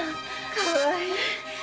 かわいい。